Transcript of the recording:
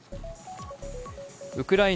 ウクライナ